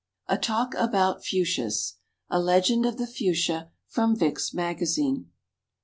A Talk About Fuchsias. A LEGEND OF THE FUCHSIA, FROM VICK'S MAGAZINE.